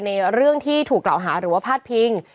เรื่องที่ถูกกล่าวหาหรือว่าพาดพิง